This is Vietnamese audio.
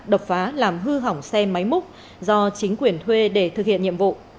đập phá làm hư hỏng xe máy múc do chính quyền thuê để thực hiện nhiệm vụ